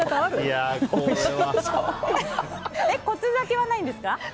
骨酒はないんですか？